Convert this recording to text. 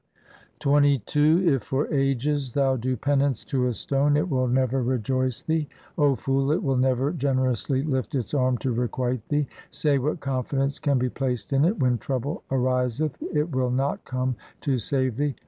XXII If for ages thou do penance to a stone, it will never rejoice thee. O fool, it will never generously lift its arm to requite thee. Say what confidence can be placed in it ? when trouble ariseth, it will not come to save thee.